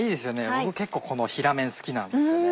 僕結構この平麺好きなんですよね。